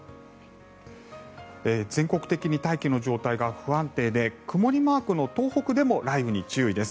全国的に大気の状態が不安定で曇りマークの東北でも雷雨に注意です。